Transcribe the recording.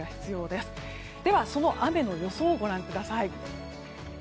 では、その雨の予想をご覧ください。